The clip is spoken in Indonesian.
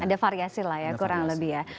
ada variasi lah ya kurang lebih ya